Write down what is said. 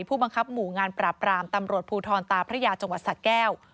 ผู้บังคับหมู่งานปราบรามตำรวจภูทรตาพระยาจังหวัดสะแก้ว